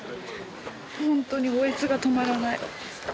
本当に嗚咽が止まらない。